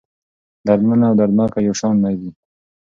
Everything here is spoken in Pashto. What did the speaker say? دردمنه او دردناکه يو شان نه دي.